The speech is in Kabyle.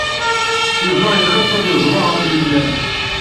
Yuba yexs ad yeẓwa ɣel leflam.